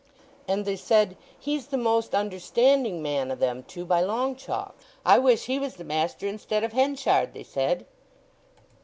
And they said, 'He's the most understanding man o' them two by long chalks. I wish he was the master instead of Henchard,' they said."